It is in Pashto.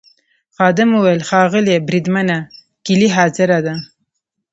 خادم وویل: ښاغلی بریدمنه کیلۍ حاضره ده.